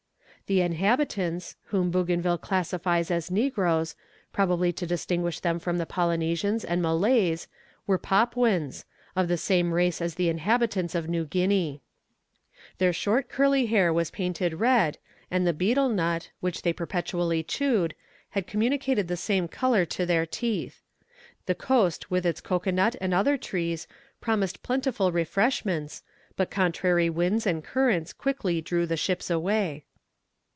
The inhabitants, whom Bougainville classifies as Negroes, probably to distinguish them from the Polynesians and Malays, are Papuans, of the same race as the inhabitants of New Guinea. Their short curly hair was painted red, and the betel nut, which they perpetually chewed, had communicated the same colour to their teeth. The coast with its cocoanut and other trees, promised plentiful refreshments, but contrary winds and currents quickly drew the ships away.